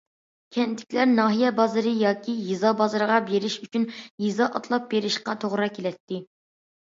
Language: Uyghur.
كەنتتىكىلەر ناھىيە بازىرى ياكى يېزا بازىرىغا بېرىش ئۈچۈن يېزا ئاتلاپ بېرىشقا توغرا كېلەتتى.